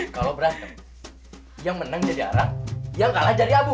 kalau berantem yang menang jadi arang yang kalah jadi abu